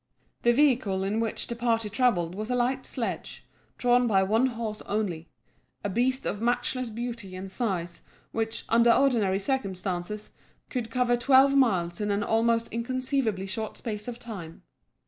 The vehicle in which the party travelled was a light sledge, drawn by one horse only a beast of matchless beauty and size, which, under ordinary circumstances, could cover twelve miles in an almost inconceivably short space of time.